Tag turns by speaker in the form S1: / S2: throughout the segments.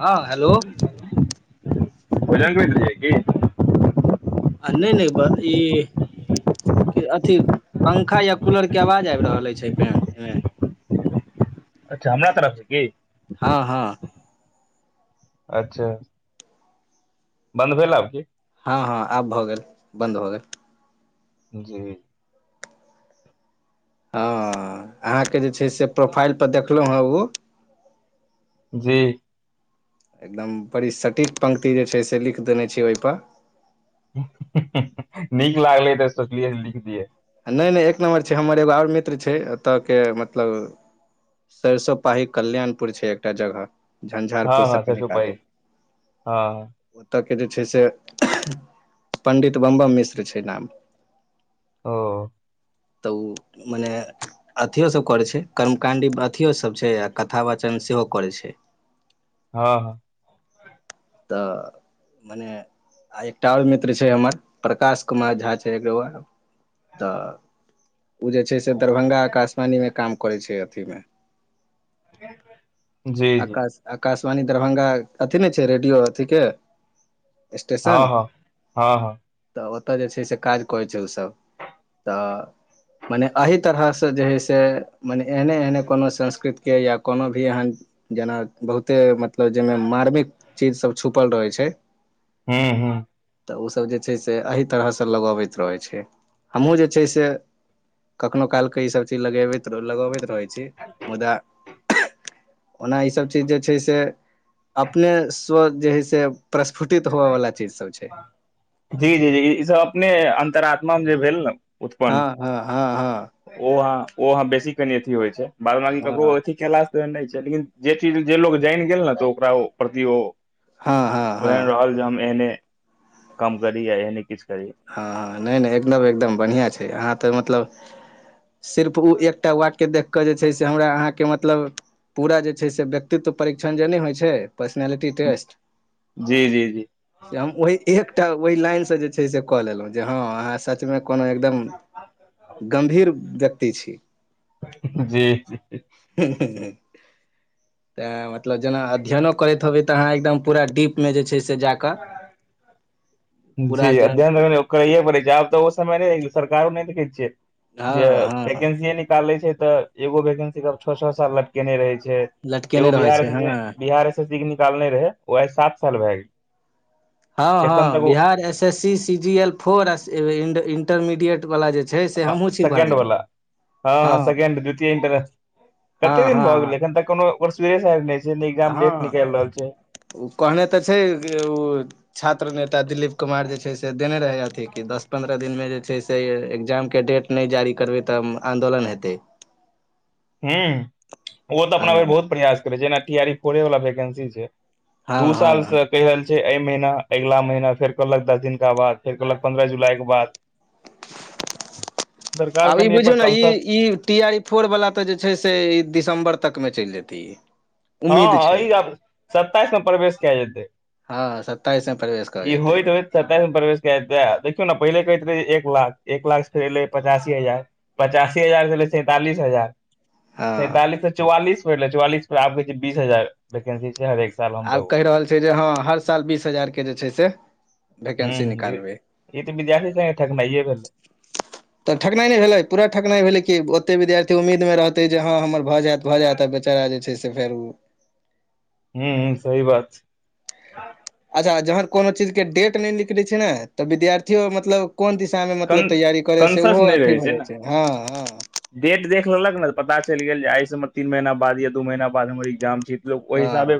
S1: [inaudible] हँ हेलो
S2: ओजा् [inaudible] होइत छै कि
S1: आ नहि नहि बाँकी अथी पंखा या कूलर के आवाज आइब रहल अछि अइ मे
S2: अच्छा हमरा तरफ सँ
S1: हँ हँ
S2: अच्छा बन्द भेल आब की
S1: हँ हँ आब भऽ गेल बन्द भऽ गेल
S2: जी
S1: हँ अहाँके जे छै से प्रोफाइल पर देखलो हँ ओ
S2: जी
S1: एकदम बड़ी सटीक पंक्ति जे छै से लिख देने छीयै ओहि मे
S2: नीक लागले तऽ सोचलियै लिख दियै
S1: नहि नहि एक नम्बर छै हमर एगो आओर मित्र छै एतऽ के मतलब सरिसो पाही कल्याणपुर छै एकटा जगह
S2: हँ
S1: झंझारपुरसँ
S2: हँ सरसो
S1: कनिक
S2: पाही
S1: आगू
S2: हँ हँ
S1: ओतऽ के जे छै से पण्डित बमबम मिश्र छै नाम
S2: ओ
S1: तऽ उ मने अथिओसभ करै छै कर्मकाण्डी अथिओसभ छै आ कथा वाचन सेहो करै छै
S2: हँ
S1: त मने आए एकटा और मित्र छै हमर प्रकाश कुमार झा छै एग त उ जे छै से दरभंगा आकाशवाणीमे काम करै छै अथीमे
S2: ह [inaudible]
S1: आकाश आकाशवाणी दरभंगा अथी नहि छै रेडियो अथी के
S2: हँ
S1: स्टेशन
S2: हँ हँ हँ
S1: तऽ ओतऽ जे छै से काज करै छै ओसभ तऽ मने अहि तरहसँ जे हइ से मने एहने एहने कोनो संस्कृत के या कोनो भी एहन जेना बहुते मतलब जैमे मार्मिक चीज सब छुपल रहै छै
S2: हू हू
S1: तऽ उसभ जे छैय से अही तरहसँ लगबैत रहै छै हमहूँ जे छै से कखनो कालक ईसभ चीज लगेबैत लगबैत रहैत छी मुदा ओना इसब चीज जे छैय से अपनेसँव जे हइ से प्रस्फुटित होवऽवला चीज सब छै
S2: जी जी जी ई सब अपने अंतरात्मा मे जे भेल न
S1: हँ हँ हँ हँ
S2: ओह ओ अहाँ बेसी कनि अथी होइ छै बाद बाकी ककरो
S1: हँ
S2: अथी केला स नहि छै लेकिन जे चीज जे लोग जैन गेल न तऽ ओकरा ओ प्रति ओ
S1: हँ हँ हँ
S2: ओहन
S1: हँ
S2: रहल जे हम एहने काम करी या एहने किछ करी
S1: हँ हँ नहि नहि एकदम एकदम बढ़िआँ छै अहाँ तऽ मतलब सिर्फ ओ एकटा वाक्य देखि कऽ जे छै से हमरा अहाँके मतलब पूरा जे छै से व्यक्तित्व परीक्षण जे नहि होइ छै पर्सनलिटी टेस्ट
S2: जी जी जी
S1: से हम ओहि एकटा ओहि लाइनसँ जे छै से कऽ लेलहुँ जे हँ अहाँ स मे कोनो एकदम गम्भीर व्यक्ति छी
S2: जी जी
S1: तऽ मतलब जेना अध्ययनो करैत हबै तहाँ एकदम पूरा डीप मे जे छै से जाकऽ पूरा
S2: जी
S1: ज
S2: अध्ययन त कहए पर नैया जेब त ओ समय नहि सरकारो नहि देखै छियै जे
S1: हँ हँ
S2: वैकेंसीए निकाले छै तऽ एगो वैकेंसी के छओ छओ साल लटकेने रहे छै
S1: लटकेने
S2: एगो
S1: रहै
S2: बिहार
S1: छै हँ
S2: बिहार एस एस सी के निकालने रहे ओ आइ सात साल भए गेल
S1: हँ
S2: एखन
S1: हँ
S2: तक
S1: Bihar S S C C G L four intermediate वाला जे छै से
S2: हँ
S1: हमहुँ छी
S2: सेकं्ड
S1: भरने
S2: वला हँ सेकं्ड द्वितीय इटरने
S1: हँ
S2: कते दिन
S1: हँ
S2: भऽ
S1: हँ
S2: गेलै एखन तक कोनो ओ सुरे सेरे नहि छै नहि एग्जाम
S1: हँ
S2: डेट निकालि रहल छै
S1: ओ कहने तऽ छै उ छात्र नेता दिलीप कुमार जे छै से देने रहै अथिी कि दस पन्द्रह दिनमे जे छै से एकग्जाम के डेट नहि जारी करबै तऽ आंन्दोलन हेतै
S2: ह ओ तऽ
S1: हँ
S2: अपना भर बहुत प्रयास करै छै जेना टी आ फोरे वालला वैकेंसी छै
S1: हँ
S2: दू
S1: हँ
S2: साल
S1: हँ
S2: से कहि रहल छै एहि महिीना अगिला महिीना फेर कहलक दस दिनका बाद फेर कहलक पन्द्रह जुलाई के बाद सरकार
S1: अब ई
S2: कनि एहि पर
S1: बुझियौ ने ई
S2: कंसस
S1: ई टी आरी फोर वला तऽ जे छै से ई दिसम्बर तकमे चलि जेतै उम्मीद
S2: हँ
S1: छै
S2: [unintelligible] सत्ताइस मे प्रवेश कए जेतै
S1: हँ सत्ताइस मे प्रवेश कर
S2: ई होइत होय सताइस मे प्रवेश कए द देखियौ ने पहिले कहैत रहै एक लाख एक लाख से फेर एलै पचासी हजार पचासी हजार से रलय सैंतालिस हजार
S1: हँ
S2: सैंतालिस से चौवालीस पर ले चौवालीस पर आ बीस हजार वंसी हर
S1: आब केह रहल छै जे हँ हर साल बीस हजार के जे छै से
S2: हु
S1: वैकेंसी निकालबै
S2: ई तऽ विद्यार्थी स ठकनाइए भेलै
S1: तऽ ठकनाइ नहि भेलै पूरा ठकनाइ भेलै कि ओते विद्यार्थी उम्मीद पर ते जे हँ हमर भऽ जायत भऽ जायत आ बेचारा जे छै से फेर
S2: हू सही बात छै
S1: अच्छा जहन कोनो चीजके डेट नहि निकलैत छै ने तऽ विद्यार्थियो मतलब कोन दिशामे
S2: कन
S1: मतलब तैयारी करै से
S2: कंसस
S1: ओहो
S2: नहि
S1: अथी
S2: रहै ने
S1: भेलै छै हँ
S2: डेट देख लेलक ने तऽ पता चलि गेल जे आइसँ हम तीन महिना बाद या दू महीना बाद हमर एग्जाम छैये ओह
S1: हँ
S2: हिसाबे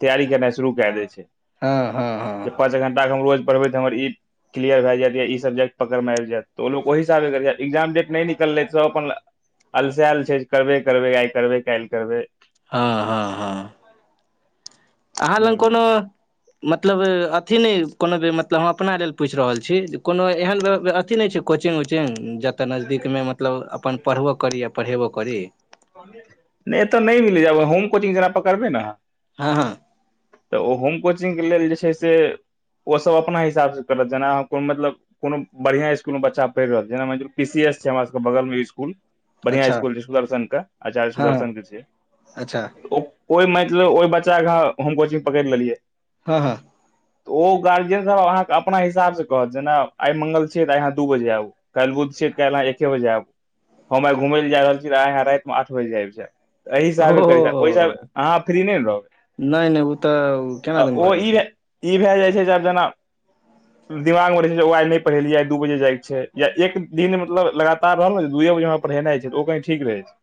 S2: तैयारी करनाइ शुरू कए देै छै
S1: हँ हँ हँ हँ
S2: जे पाँच घंटा के हम रोज पढ़बैत त हमर ई क्लियर भए जाय या ई सब्जेक्ट पकड़मे आबि जायतऽ ओ लोक ओहि हिसाबे ए्जाम डेट नहि निकलै त अपन अलसाल छै करबे करबै आइ करबै काल्हि करबै
S1: हँ हँ हँ अहाँ
S2: हूँ
S1: लग कोनो मतलब अथी नहि कोनो बेर मतलब हम अपना लेल पूछि रहल छी जे कोनो एहन अथी नहि छै कोचिग उचिग जतऽ नजदीकमे मतलब अपन पढ़बो करी आ पढ़ेबो करी
S2: एतय नहि तऽ नहि मिलै होम कोचिंग जेना करबै ने
S1: हँ
S2: तऽ ओ होम कोचिंगके लेल जे छै से ओसभ अपना हिसाबसँ करत जेना अहाँ को मतलब कोनो बढ़िआँ इसकुलमे बच्चा पढ़ि रहल छै जेनानि पी सी एस छै हमर सबके बगलमे इसकुल बढ़िआँ
S1: अच्छा
S2: इस्कुल छै सुदर्शनक के आचार्य
S1: हँ हँ
S2: सुदर्शनक के
S1: अच्छा
S2: छियै कोहि मतलब ओहि बच्चाके हम कोचिंग पकेड़ लेलियै
S1: हँ
S2: तऽ ओ गार्जियन सब अहाँके अपना हिसाब से कहत जेना आइ मंगल छियै तऽइ अहाँ दू बजे काल्हि बुध छै, काल्हि अहाँ एकके बजे आब। हम आइ घुमय लए जा रहल छी आँ रातमे आठ बजे आयब जा एहि हिसाबे कर जा ओहि,
S1: ओ
S2: अहाँ फ्री नहि नए होलो
S1: नहि नहि ओ तऽ केना दिन भए जेतै
S2: ई भए जाइ छै जे आब जेना दिमाग मे रहै छै ओ आइ नहि पढ़ेलिय आ दू बजे जाइके छै या एक दिन मतलब लगातार रहल ने दूए बजे पढ़ेनाइ छै तऽ ओ कहि ठीक रहै छै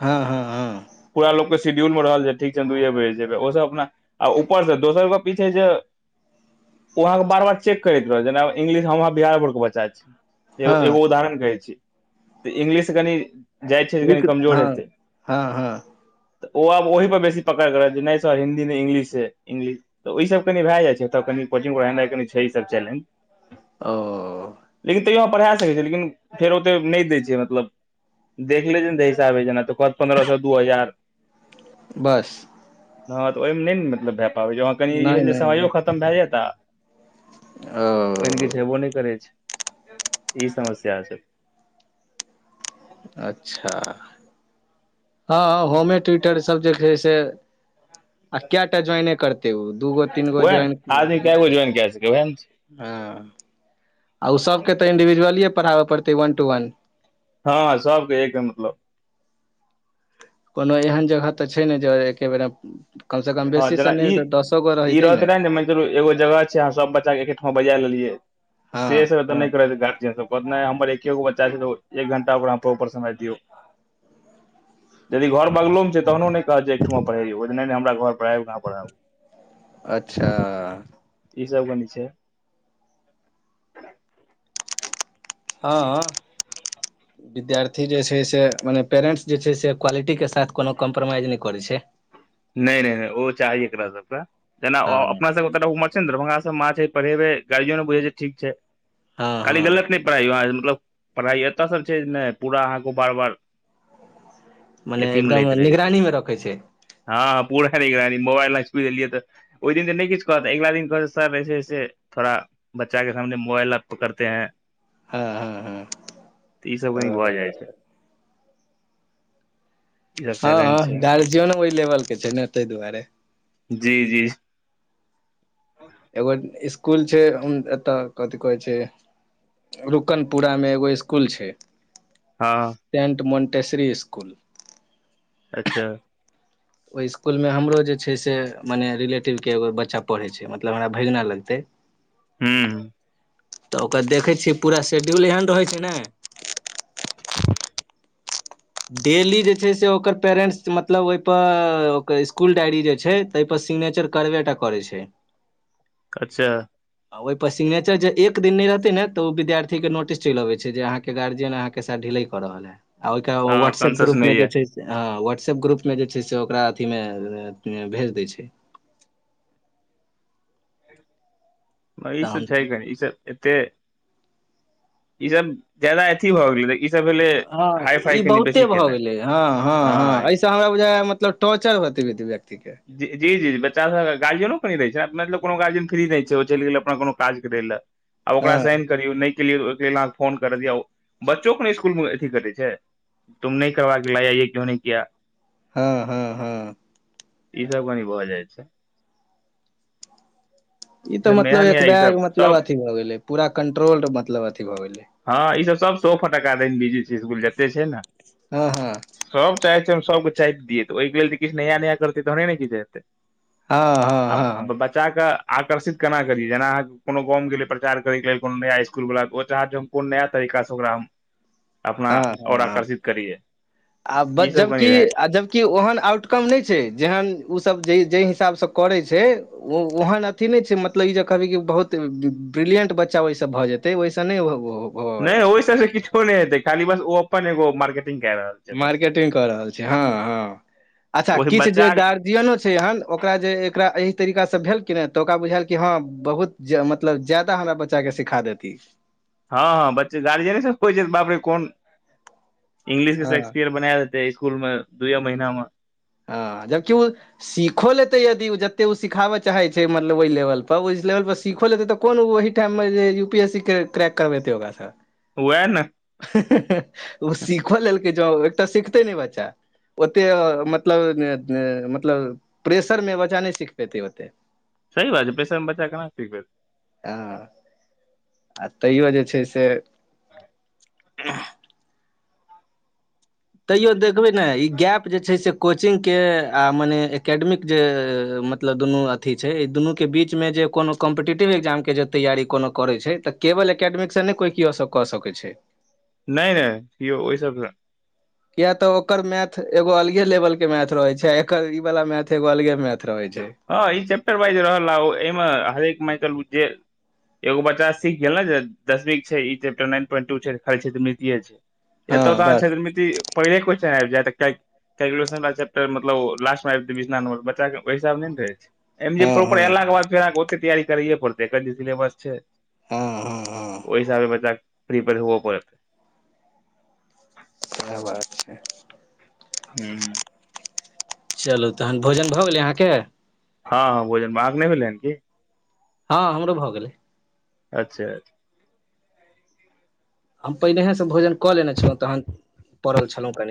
S1: हँ हँ हँ
S2: पूरा लोक के शिड्यूल मे रहल छै ठीक छै दूए बजे जेबै। ओ सब ऊपर से दोसर के पीछे जे ओ अहाँके बार बार चेक करैत रह जेना इंग्लिश हमहाँ बिहार बोर्ड के बच्चा छी एगो
S1: हँ
S2: एगो उदाहरण कहै छी तऽ इंग्लिश कनि जाइ छियै
S1: विक
S2: कमजोर
S1: हँ
S2: हेतै
S1: हँ हँ
S2: तऽ ओ आब ओहि पर बेसी पकड़ के रहै छै नहि सर हिन्दी नहि इंग्लिश छै तऽ ओहिसभ कनि भए जाइ छै। ए तऽ कनि कोचिंग जेनाइ कनि छै ईसभ चैलेंज
S1: ओ
S2: लेकिन तैयो पढ़ा [unintelligible] लेकिन फेर ओते नय दै छै मतलब देखले थि ने साब पर पन्द्रह सए दू हजार
S1: बस
S2: हँ तऽ ओई मे नय ने मतलब भए पाबै छै वह कनि ई
S1: नहि
S2: भेल जे
S1: नहि
S2: समाइयो
S1: नहि
S2: खतम भए जायता ओहेन किछ
S1: ओ
S2: हेबो नय करै छै, ई समस्या छै
S1: अच्छा हँ, हँ, होमे ट्विटर सब जे छै से, आ कए टा ज्वाइने करत एगो दूगो तीन गो
S2: ओएह ने
S1: ज्वाइन
S2: आदमी कए गो ज्वाइन कए सकै ओएह ने छै
S1: हाँ आ उ सभके तऽ इंडिविजुअलिए पढ़ाब पड़तै वन टू वन
S2: हँ सबके एक दम मतलब
S1: कोनो एहन जगह तऽ छै नय जे एके बेर, मे कम से कम
S2: हँ
S1: बेसी स नय दसो गो रहते ने
S2: एगो, एगो जगह छैह अहाँ सब बच्चा के एके ठांव बजाए लेलियए।
S1: हँ
S2: सेस त
S1: हँ
S2: नए करेय गार्जियन सब पर नए हमर एकेगो बच्चा छै त ओ एक घंटा ओकरा प्रोपर समय दियऔ यदि घर बगलो मे छै तहनो नय कहत जे एक ठमा पढ़ेयौ, ओय नए नए हमरा प्र उऊह पड़ [unintelligible]
S1: अच्छा
S2: ई सब कनी छै
S1: हाँ अ
S2: [inaudible]
S1: विद्यार्थी जे छै से मने पेरेन्ट्स जे छै से क्वालिटी के साथ कोनो कम्प्रोमाइज नय करै छै
S2: नय नय नय ओ चाही एकरा सबके, जेना
S1: हँ
S2: ओ अपना सबके त म ने दरभंगा मा ह पे गार्जियनो बुझे छै ठीक छै [unintelligible]
S1: हँ
S2: खाली
S1: हँ
S2: गलत नहि पढ़ाइयौ मतलब पढ़ाइ एतय सब छै नय पूरा अहाँके बार बार
S1: मने
S2: अथी मे
S1: एकदम
S2: लैत रहै छै
S1: निगरानी मे रखै छै
S2: हँ ह पूरा निगरानी मोबइल न छुए देलिये तऽ ओहि दिन तऽ नय किछु कहत अगिला दिन कहत सर ऐसे ऐसे थोड़ा बच्चा के सामने मोबाइल आप पकर ते हैं
S1: हँ हँ हँ
S2: तिऽ ईसभ कनि भऽ जाइ छै ई सब
S1: हँ
S2: चैलेंज
S1: हँ
S2: छै
S1: गार्जियनो ओय लेवल के छै ने तैय दुआरे
S2: जी जी
S1: एगो ईस्कूल छै उ एतय कथि कहै छै रुकन पुरा मे एगो ईस्कुल छै
S2: हँ
S1: टेंट मोंटेसरी ईस्कुल
S2: अच्छा
S1: ओय इसकुल मे हमरो जे छै से मने रिलेटिवके एगो बच्चा पढ़ैत छै मतलब हमरा भैगना लगतै
S2: हूं
S1: तऽ ओकरा देखै छियै पूरा शेड्यूल एहन रहैत छै ने डेली जे छै से ओकर पेरेन्ट्स मतलब ओयप ओकर इसकुल डायरी जे छै तैय पर सिग्नेचर करबे टा करै छै
S2: कच्छा
S1: आ ओयप सिगनेचर जे एक दिन नै रहतै ने तऽ ओ विद्यार्थे के नोटिस चलि अबै छै जे अहाँके गार्जियन अहाँ के साथ ढिलैय कऽ रहल है आ ओयके
S2: हँ
S1: व्हाट्सऐप
S2: कॉन्सस
S1: ग्रुप मे
S2: नहि
S1: जे
S2: ये
S1: छै हँ व्हाट्सएप ग्रुपमे जे छै से ओकरा अथीमे भेज दै छै
S2: म ई
S1: तऽ हम
S2: सब छै कनी ईसभ एते ई सब ज्यदा अथी भऽ गेलै इ
S1: हँ ई बहुते भऽ गेलै हँ हँ हँ ऐ हमरा बुझा मतलब टॉर्चर [unintelligible] व्यक्ति के
S2: जी जी जी बच्चा गार्जियनो कनि रहै छै अपना सऽ कोनो गार्जियन फ्री नै छै ओ चलि गेल अपना कोनो काज करै लए आब ओकरा
S1: हँ
S2: साइन करियौ नहि केलियौ तऽ ओइकेँ लेल अहाँकेँ फोन करत य बच्चोकेँ नै इसकुलमे अथी करैत छै [unintelligible]
S1: हँ हँ हँ
S2: ई सब कनी भऽ जाइ छै
S1: ई तऽ
S2: सब
S1: मतलब
S2: नया नया ई
S1: एकबैग
S2: सब
S1: मतलब
S2: सब
S1: अथी भए गेले पूरा कंट्रोल मतलब अथी भए गेले
S2: हँ ई सब सब सए फटकका द बिजी छै इसकुल जते छै न
S1: हँ हँ
S2: सभ चाहै छै हम सभ केँ चाइप दियै तऽ ओइकेँ लेल तऽ किछ नया नया करतै तहने नऽ किछ हेतै
S1: हँ हँ
S2: आ
S1: हँ
S2: बच्चा कऽ आकर्षित केना करी जेना अहाँ कोनो गाँव मे गेले प्रचार करय केँ लेल कोनो नया इस कुल वला ओ चाहत जे हम कोन नया तरीका सऽ ओकरा हम अपना
S1: हँ हँ
S2: ओर
S1: हँ
S2: आकर्षित करियै
S1: आ
S2: ई
S1: बज
S2: सब कनि
S1: जबकी
S2: रहै
S1: आ जब केँ ओहन आउटकम नहि छै जेहन ओसभ जाय जाय हिसाबसँ करै छै ओ ओहन अथी नहि छै मतलब ई जे कहबै कि बहुत ब्रिलिंट बच्चा ओइस भऽ जेतै ओइस नहि होवयवला
S2: नहि
S1: छै
S2: ओए सब स किछो नहि हेते खाली बस ओ अपन एगो मार्केटिंग कै रहल छै बस
S1: मार्केटिंग कऽ रहल छै हँ हँ अच्छ
S2: ओहि
S1: किछ
S2: बच्चा
S1: जे गार्जियनो छै एहन ओकरा जे एकरा एहि तरीकासँ भेल कि न तऽ ओकरा बुझायल कि हँ बहुत मतलब जादा हमरा चा केँ सिखा देती
S2: हँ बच्चे गार्जियने सब केँ बाप रे कोन [inaudible] इंग्लिश केँ
S1: हँ
S2: शेक्सपियर बना दे जे इसकुल में दुयौ महीना म
S1: हँ जबकि ओ सीखो लेतै यदि जतेक ओ सिखाबय चाहै छै मतलब ओहि लेवलपर ओहि लेवल पर सीखो लेतै तऽ कोन ओहि टाइम मऽ जे U P S C track करबेते ओकरा सऽ
S2: वैह नऽ
S1: [unintelligible] ओ सिखो लेलकै जोउ एकटा सिखतै नै बच्चा ओते मत [unintelligible] मतलब प्रेशर मे बच्चा नहि सीख पेतै ओते
S2: सही बात छै प्रेशर म बच्चा केना सिखबै
S1: आ [inaudible] तैयो जे छै से [inaudible] [unintelligible] तैयो देखबे नै इ गैप जे छै से कोचिंग केँ आ मने एकेडमिक जे म तलब दुनू अथी छै दुनू केँ बीचमे जे कोनो कम्पीटेटिव एग्जाम केँ जे तैयारी कोनो करै छै तऽ केवल एकेडमिकसँ नहि कोइ केओ सभ कऽ सकै छै
S2: नै नै यौ ओइ सबसँ
S1: किया तऽ ओकर मैथ एगो अलगे लेवल केँ मैथ रहै छै आ एकर इ बला मैथ एगो अलगे मैथ रहै छै
S2: हँ ई चैप्टर वाइज रहल एहिमे हरेक [unintelligible] जे एगो बच्चा सीख गेल ने जे दशमीसँ छै ई चैप्टर नाइन पॉइंट टू सँ छै खाली क्षेत्रमितिसँ छै एत
S1: हँ
S2: तऽ अहाँ
S1: बस
S2: क्षेत्रमिति पहिले क्वेस्चन आब जैत [inaudible] कैलकुलन चैपटर मतलब लास्ट मे आब नंबर बच्च इस सब नै रह छै ऐ में
S1: हँ
S2: जे प्रॉपर
S1: हँ
S2: ऐला केँ बाद फेर ओते तैयारी कर पड़तै एक जे सीेलेबस छै
S1: हँ हँ हँ
S2: [inaudible] ओए हिसाबे बच्चाक प्रीपेयर होबऽ पड़त
S1: [unintelligible]
S2: [unintelligible]
S1: चलू तहन भोजन भऽ गेलै अहाँके
S2: हँ हँ भोजन आहक के नय भेलै हनकि
S1: हँ हमरो भऽ गेलै
S2: अच्छा अच्छा
S1: हम पहिनेहे सँ भोजन कऽ लेने छलौं तहन पड़ल छलौं कनि